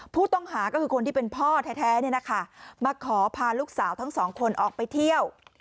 ผู้ต้องหาก็คือคนที่เป็นพ่อแท้มาขอพาลูกสาวทั้งสองคนออกไปเที่ยว